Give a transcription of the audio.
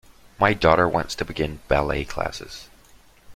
My daughter wants to begin ballet classes.